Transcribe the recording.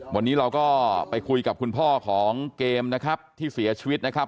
วันนี้เราก็ไปคุยกับคุณพ่อของเกมนะครับที่เสียชีวิตนะครับ